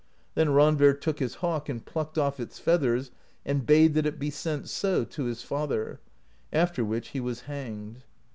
Then Randver took his hawk and plucked ofF its feathers, and bade that it be sent so to his father; after which he was hanged.